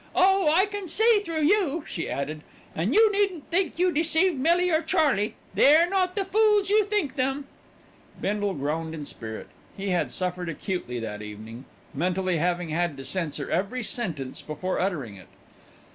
Oh! I can see through you," she added, "and you needn't think you deceived Millie, or Charley. They're not the fools you think them." Bindle groaned in spirit. He had suffered acutely that evening, mentally having had to censor every sentence before uttering it.